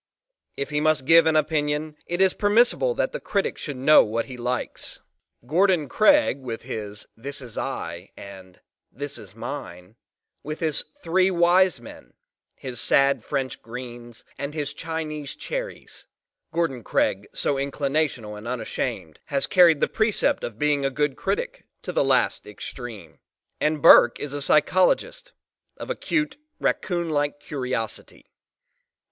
If he must give an opinion, it is permissible that the critic should know what he likes. Gordon Craig with his "this is I" and "this is mine," with his three wise men, his"sad French greens" and his Chinese cherries Gordon Craig, so inclinational and unashamed has carried the precept of being a good critic, to the last extreme. And Burke is a psychologist of acute, raccoon like curiosity.